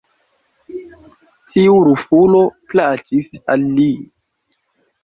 Tiu rufulo plaĉis al li.